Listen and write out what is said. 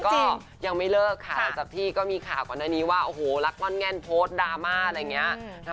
ก็ยังไม่เลิกค่ะหลังจากที่ก็มีข่าวก่อนหน้านี้ว่าโอ้โหรักง่อนแง่นโพสต์ดราม่าอะไรอย่างนี้